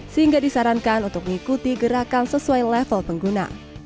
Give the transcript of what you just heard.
sehingga disarankan untuk mengikuti gerakan sesuai level pengguna